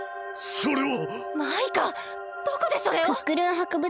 それは！